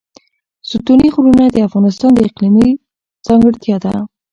ستوني غرونه د افغانستان د اقلیم ځانګړتیا ده.